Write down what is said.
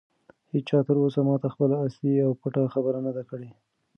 هیچا تر اوسه ماته خپله اصلي او پټه خبره نه ده کړې.